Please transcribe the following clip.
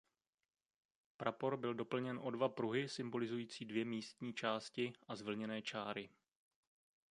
Prapor byl doplněn o dva pruhy symbolizující dvě místní části a zvlněné čáry.